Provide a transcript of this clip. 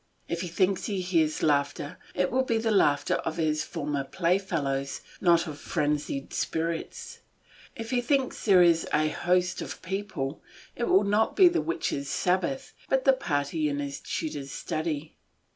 If he thinks he hears laughter, it will be the laughter of his former playfellows, not of frenzied spirits; if he thinks there is a host of people, it will not be the witches' sabbath, but the party in his tutor's study.